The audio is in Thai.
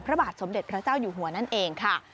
พระบาทสมเด็จพระเจ้าอยู่หัวนั่นเองค่ะ